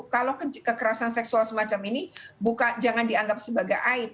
kalau kekerasan seksual semacam ini jangan dianggap sebagai aib